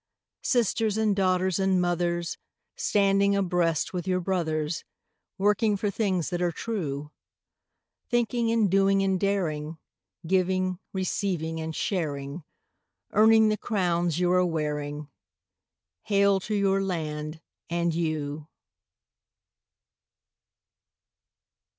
Sisters and daughters and mothers, Standing abreast with your brothers, Working for things that are true; Thinking and doing and daring, Giving, receiving, and sharing, Earning the crowns you are wearing— Hail to your land and you!